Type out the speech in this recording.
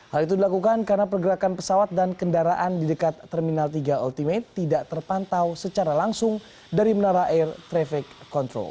hal itu dilakukan karena pergerakan pesawat dan kendaraan di dekat terminal tiga ultimate tidak terpantau secara langsung dari menara air traffic control